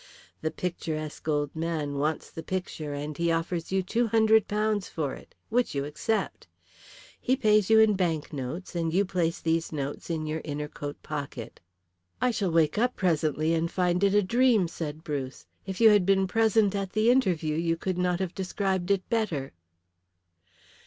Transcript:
The picturesque old man wants the picture and he offers you £200 for it, which you accept. He pays you in bank notes and you place these notes in your inner coat pocket." "I shall wake up presently and find it a dream," said Bruce. "If you had been present at the interview you could not have described it better."